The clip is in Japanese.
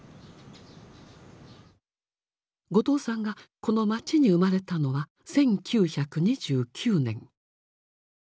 後藤さんがこの町に生まれたのは１９２９年。